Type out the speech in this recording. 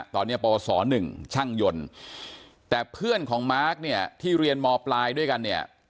ตอนเนี่ยประวัติศาสตร์หนึ่งช่างยนต์แต่เพื่อนของมาร์คเนี่ยที่เรียนมปลายด้วยกันเนี่ย